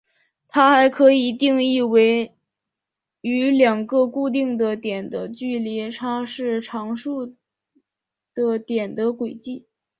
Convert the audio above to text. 它还可以定义为与两个固定的点的距离差是常数的点的轨迹。